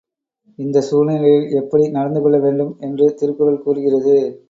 இந்தச் சூழ்நிலையில் எப்படி நடந்து கொள்ள வேண்டும் என்று திருக்குறள் கூறுகிறது?